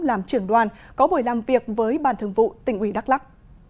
làm trưởng đoàn có buổi làm việc với ban thường vụ tỉnh ủy đắk lắc